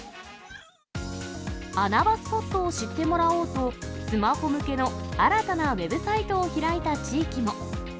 穴場スポットを知ってもらおうと、スマホ向けの新たなウェブサイトを開いた地域も。